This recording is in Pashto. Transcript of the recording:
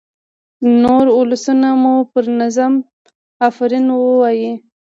نور ولسونه مو پر نظم آفرین ووايي.